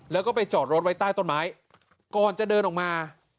แล้วก็ไปจอดรถไว้ใต้ต้นไม้ก่อนจะเดินออกมา